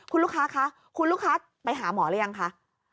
คุณลูกค้าคะคุณลูกค้าไปหาหมอหรือยังคะ